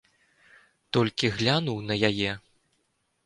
Толькі глянуў на яе.